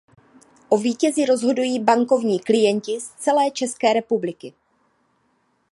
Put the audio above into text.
O vítězi rozhodují bankovní klienti z celé České republiky.